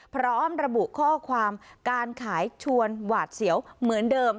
พร้อมระบุข้อความการขายชวนหวาดเสียวเหมือนเดิม